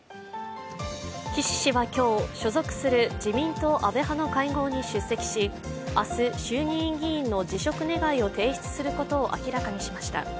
岸氏は今日、所属する自民党安倍派の会合に出席し明日、衆議院議員の辞職願を提出することを明らかにしました。